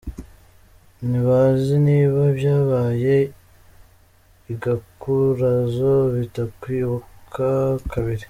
Nibaza niba ibyabaye i Gakurazo bitakwikuba kabiri.